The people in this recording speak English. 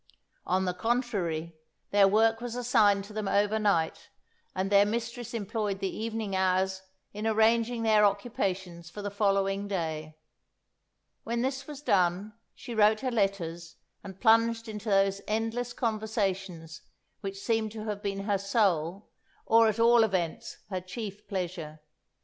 On the contrary, their work was assigned to them over night, and their mistress employed the evening hours in arranging their occupations for the following day. When this was done, she wrote her letters and plunged into those endless conversations which seem to have been her sole, or, at all events, her chief pleasure.